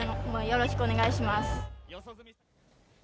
よろしくお願いします。